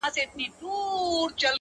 ه یاره دا زه څه اورمه، څه وینمه.